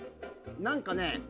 何かね